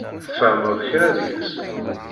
Tfehmeḍ kra deg-s?